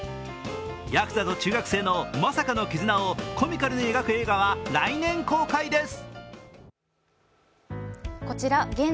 ヤクザと中学生のまさかの絆をコミカルに描く映画は来年公開です。